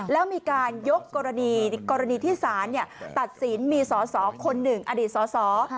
แล้วมีการยกกรณีที่ศาลตัดสินมีสอสอคนหนึ่งอดีตสอสอ